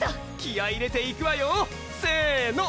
気合入れていくわよせの！